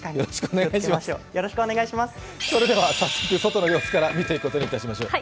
早速、外の様子から見ていくことにいたしましょう。